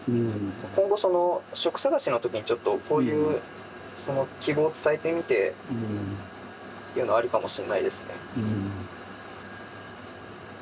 今後職探しの時にちょっとこういう希望を伝えてみてというのはあるかもしれないですね。